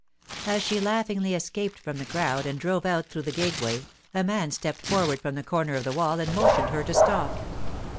As she laughingly escaped from the crowd and drove out through the gateway a man stepped forward from the corner of the wall and motioned her to stop.